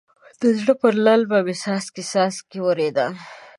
د زړه پر للمه مې څاڅکی څاڅکی ورېده.